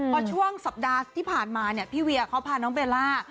เพราะช่วงสัปดาห์ที่ผ่านมาพี่เวียเขาพาน้องเวลา